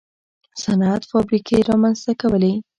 صنعت فابریکې رامنځته کولې.